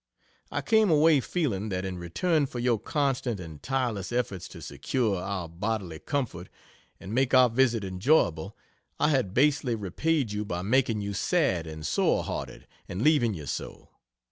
I came away feeling that in return for your constant and tireless efforts to secure our bodily comfort and make our visit enjoyable, I had basely repaid you by making you sad and sore hearted and leaving you so.